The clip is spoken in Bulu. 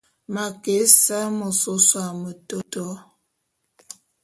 M'a ke ésaé môs ôse a metôtô.